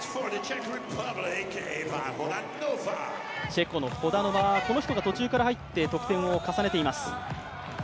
チェコのホダノバが途中から入って得点を重ねています。